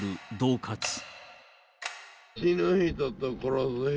死ぬ人と殺す人。